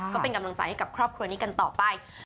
ก็เป็นกำลังใจให้กับครอบครัวนี้กันต่อไป